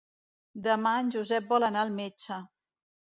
Demà en Josep vol anar al metge.